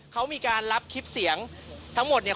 เขามีการรับคลิปเสียงทั้งหมดเนี่ย